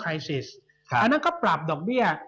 อันนั้นก็ปรับดอกเบี้ย